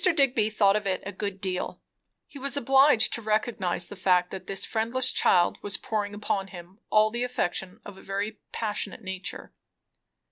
Digby thought of it a good deal. He was obliged to recognize the fact, that this friendless child was pouring upon him all the affection of a very passionate nature.